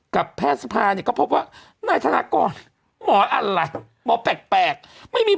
แพทย์สภาเนี่ยก็พบว่านายธนากรหมออะไรหมอแปลกไม่มี